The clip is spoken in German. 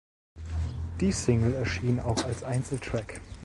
Die Single erschien auch als Einzeltrack.